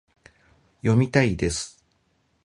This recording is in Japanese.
読みたいです